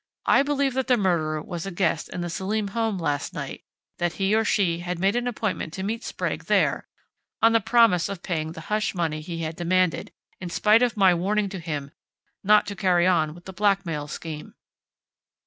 I believe that the murderer was a guest in the Selim home last night, that he or she had made an appointment to meet Sprague there, on the promise of paying the hush money he had demanded, in spite of my warning to him not to carry on with the blackmail scheme.